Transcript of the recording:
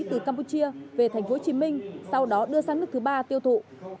từ campuchia về tp hcm sau đó đưa sang nước thứ ba tiêu thụ